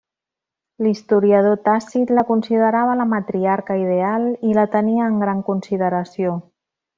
L'historiador Tàcit la considerava la matriarca ideal i la tenia en gran consideració.